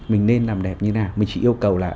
mình nên làm đẹp như thế nào mình chỉ yêu cầu là